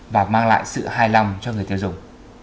và mang lại sự hài lòng cho người tiêu dùng